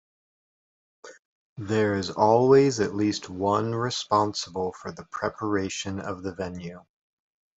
There is always at least one responsible for the preparation of the venue.